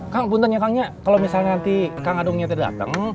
kakak kalau misalnya nanti adungnya dateng